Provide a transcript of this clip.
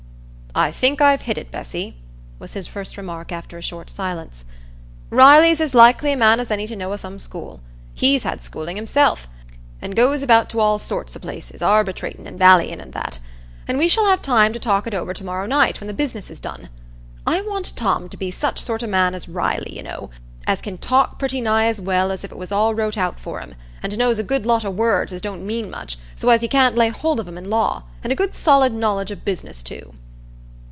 "I think I've hit it, Bessy," was his first remark after a short silence. "Riley's as likely a man as any to know o' some school; he's had schooling himself, an' goes about to all sorts o' places, arbitratin' and vallyin' and that. And we shall have time to talk it over to morrow night when the business is done. I want Tom to be such a sort o' man as Riley, you know,—as can talk pretty nigh as well as if it was all wrote out for him, and knows a good lot o' words as don't mean much, so as you can't lay hold of 'em i' law; and a good solid knowledge o' business too."